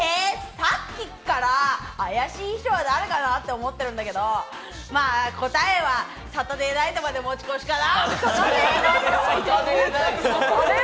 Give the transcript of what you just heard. さっきから怪しい人は誰かな？って思ってるんだけれど、答えは、サタデーナイトまで持ち越しかな。